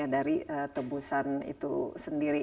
dari tebusan itu sendiri